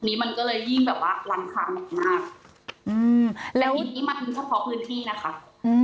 นี่มันก็เลยยิ่งแบบว่าร้านคาแม่งมากอือแล้วแต่ทีนี้มันคือเฉพาะพื้นที่นะคะอือ